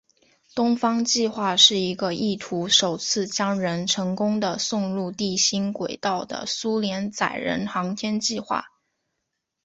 东方计划是一个意图首次将人成功地送入地心轨道的苏联载人航天计划。